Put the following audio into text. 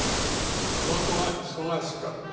仕事が忙しかった。